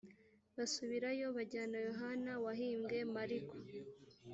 basubirayo bajyana yohana wahimbwe mariko